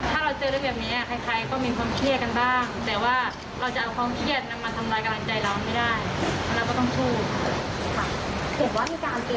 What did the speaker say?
ครับ